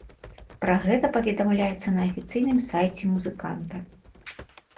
Пра гэта паведамляецца на афіцыйным сайце музыканта.